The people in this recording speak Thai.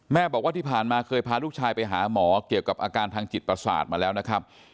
บอกว่าที่ผ่านมาเคยพาลูกชายไปหาหมอเกี่ยวกับอาการทางจิตประสาทมาแล้วนะครับ